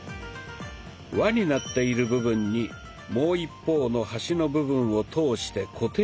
輪になっている部分にもう一方の端の部分を通して固定します。